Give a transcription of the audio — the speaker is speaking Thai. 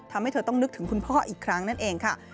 ทำให้เธอต้องนึกถึงคุณพ่ออีกครั้งนั่นเองค่ะ